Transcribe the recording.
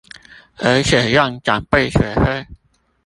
而且讓長輩學會